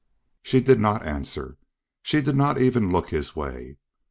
She did not answer. She did not even look his way.